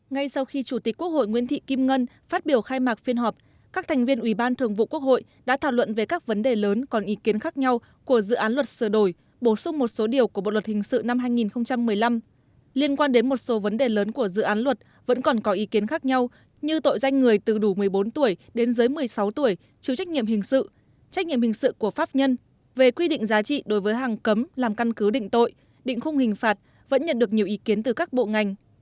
ngay sau khi chủ tịch quốc hội nguyễn thị kim ngân phát biểu khai mạc phiên họp các thành viên ủy ban thường vụ quốc hội đã thảo luận về các vấn đề lớn còn ý kiến khác nhau của dự án luật sửa đổi bổ sung một số điều của bộ luật hình sự năm hai nghìn một mươi năm liên quan đến một số vấn đề lớn của dự án luật vẫn còn có ý kiến khác nhau như tội danh người từ đủ một mươi bốn tuổi đến dưới một mươi sáu tuổi trừ trách nhiệm hình sự trách nhiệm hình sự của pháp nhân về quy định giá trị đối với hàng cấm làm căn cứ định tội định khung hình phạt vẫn nhận được nhiều ý kiến khác nhau